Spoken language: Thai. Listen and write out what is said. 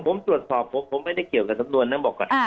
ผมตรวจสอบผมไม่ได้เกี่ยวกับสำนวนนะบอกก่อน